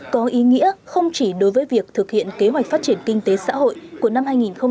có ý nghĩa không chỉ đối với việc thực hiện kế hoạch phát triển kinh tế xã hội của năm hai nghìn hai mươi bốn hai nghìn hai mươi năm